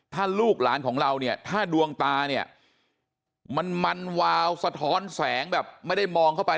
ถ้าลูกหลานของเราเนี่ยถ้าดวงตาเนี่ยมันมันวาวสะท้อนแสงแบบไม่ได้มองเข้าไป